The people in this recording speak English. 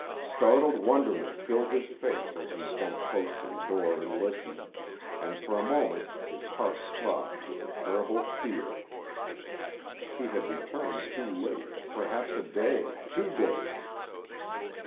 Startled wonderment filled his face as he bent close to the door and listened, and for a moment his heart throbbed with a terrible fear. He had returned too late perhaps a day two days.